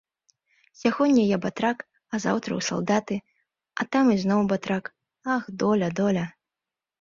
Сягоння я батрак, а заўтра ў салдаты, а там ізноў батрак, ах, доля, доля.